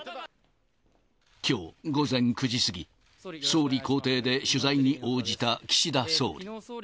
きょう午前９時過ぎ、総理公邸で取材に応じた岸田総理。